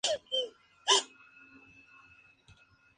Es el crecimiento de colonias y población.